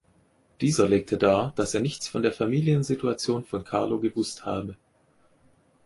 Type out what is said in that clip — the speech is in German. Dieser legte dar, dass er nichts von der Familiensituation von Carlo gewusst habe.